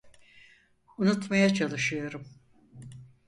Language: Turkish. Unutmaya çalışıyorum.